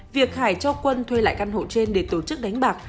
việc hải cho quân thuê lại căn hộ trên để tổ chức đánh bạc